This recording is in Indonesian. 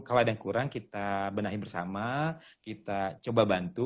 kalau ada yang kurang kita benahi bersama kita coba bantu